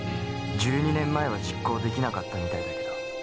１２年前は実行出来なかったみたいだけど。